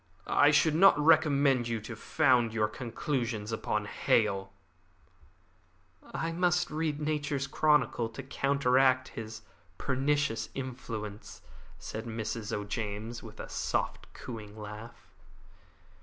I should not recommend you to found your conclusions upon Hale." "I must read Nature's Chronicle to counteract his pernicious influence," said Mrs. O'James, with a soft, cooing laugh.